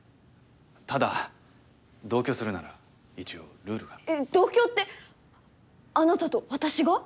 ただ同居するなら一応ルールが。えっ同居ってあなたと私が？